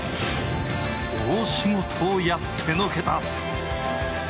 大仕事をやってのけた。